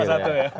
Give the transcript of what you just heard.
salah satu ya